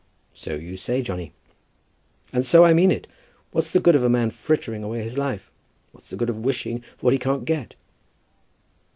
"So you say, Johnny." "And so I mean it! What's the good of a man frittering away his life? What's the good of wishing for what you can't get?"